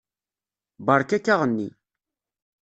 Beṛka-k aɣenni.